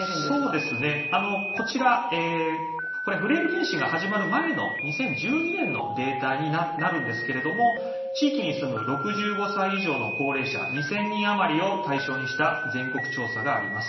そうですねこちらフレイル健診が始まる前の２０１２年のデータになるんですけれども地域に住む６５歳以上の高齢者２，０００人余りを対象にした全国調査があります。